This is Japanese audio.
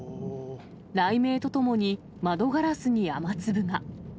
雷鳴とともに、窓ガラスに雨粒が。